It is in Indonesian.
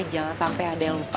jangan sampai ada yang lupa